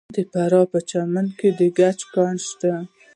د فراه په پرچمن کې د ګچ کان شته.